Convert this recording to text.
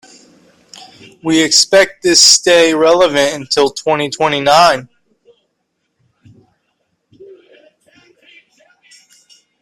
We expect this stay relevant until twenty-twenty-nine.